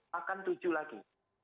makan tujuh lagi